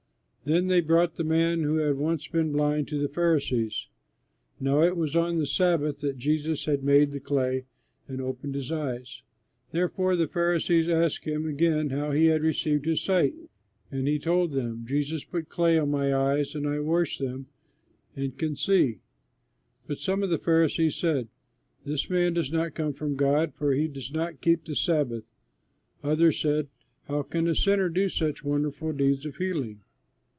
Then they brought the man who had once been blind to the Pharisees. Now it was on the Sabbath that Jesus had made the clay and opened his eyes. Therefore the Pharisees asked him again how he had received his sight, and he told them, "Jesus put clay on my eyes and I washed them and can see." Then some of the Pharisees said, "This man does not come from God, for he does not keep the Sabbath." Others said, "How can a sinner do such wonderful deeds of healing?"